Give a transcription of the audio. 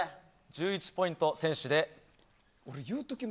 １１ポイント先取です。